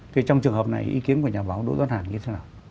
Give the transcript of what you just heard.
thì trong trường hợp này ý kiến của nhà báo đỗ doan hàn như thế nào